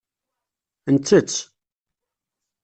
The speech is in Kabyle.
Nettett.